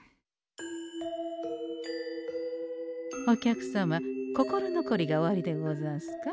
お客様心残りがおありでござんすか？